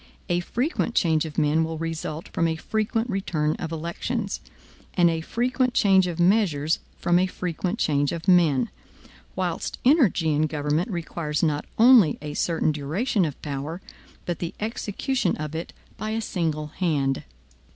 A frequent change of men will result from a frequent return of elections; and a frequent change of measures from a frequent change of men: whilst energy in government requires not only a certain duration of power, but the execution of it by a single hand.